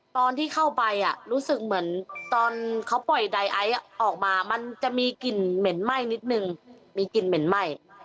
ตอนที่เข้าไปรู้สึกเหมือนตอนเขาปล่อยไดไอซ์ออกมามันจะมีกลิ่นเหม็นไหม้นิดนึงมีกลิ่นเหม็นไหม้